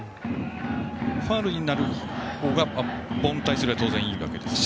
ファウルになる方が凡退するより当然いいわけですね。